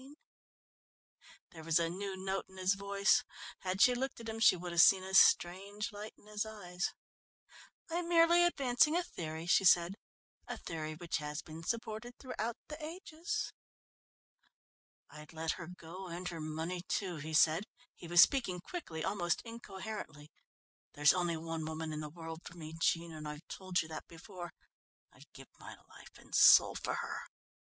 There was a new note in his voice. Had she looked at him she would have seen a strange light in his eyes. "I'm merely advancing a theory," she said, "a theory which has been supported throughout the ages." "I'd let her go and her money, too," he said. He was speaking quickly, almost incoherently. "There's only one woman in the world for me, Jean, and I've told you that before. I'd give my life and soul for her."